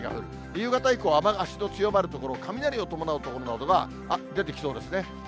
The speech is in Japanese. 夕方以降、雨足の強まる所、雷を伴う所などが出てきそうですね。